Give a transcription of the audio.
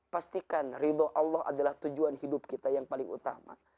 pastikan ridho allah adalah tujuan hidup kita yang paling utama